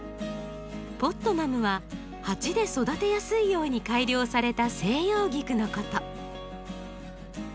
ポットマムは鉢で育てやすいように改良された西洋菊のこと。